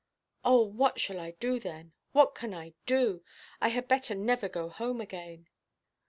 "Oh, what shall I do, then? What can I do? I had better never go home again."